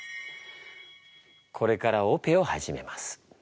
これからオペを始めます。